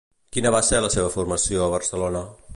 Quina va ser la seva formació a Barcelona?